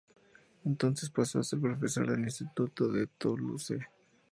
Entonces pasó a ser profesor del instituto de Toulouse.